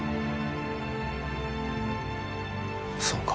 そうか。